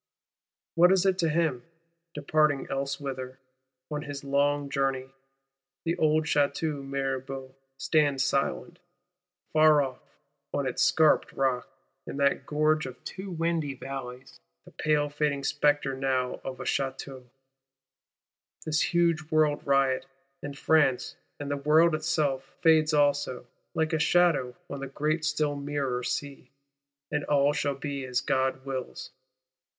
What is it to him, departing elsewhither, on his long journey? The old Château Mirabeau stands silent, far off, on its scarped rock, in that "gorge of two windy valleys;" the pale fading spectre now of a Château: this huge World riot, and France, and the World itself, fades also, like a shadow on the great still mirror sea; and all shall be as God wills.